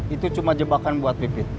itu cuma jebakan buat pipit